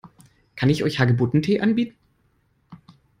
Kann ich euch Hagebuttentee anbieten?